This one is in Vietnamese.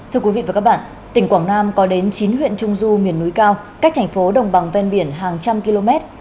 thưa quý vị và các bạn tỉnh quảng nam có đến chín huyện trung du miền núi cao cách thành phố đồng bằng ven biển hàng trăm km